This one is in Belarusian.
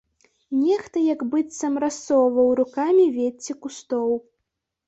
Нехта як быццам рассоўваў рукамі вецце кустоў.